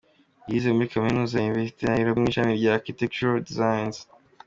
Yize muri Kaminuza ya University of Nairobi mu ishami rya Architectural designs.